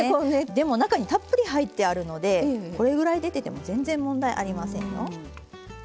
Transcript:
でも中にたっぷり入ってあるのでこれぐらい出てても全然問題ありませんよ。